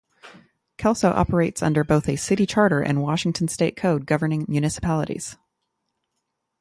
Kelso operates under both a city charter and Washington state code governing municipalities.